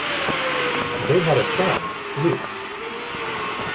They had a son, Luke.